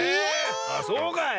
あっそうかい。